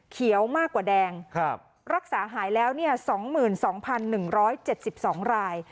เขียวมากกว่าแดงครับรักษาหายแล้วเนี่ยสองหมื่นสองพันหนึ่งร้อยเจ็ดสิบสองราย